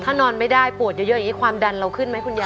ถ้านอนไม่ได้ปวดเยอะอย่างนี้ความดันเราขึ้นไหมคุณยาย